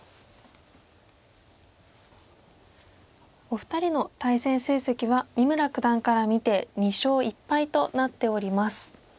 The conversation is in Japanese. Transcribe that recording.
お二人の対戦成績は三村九段から見て２勝１敗となっております。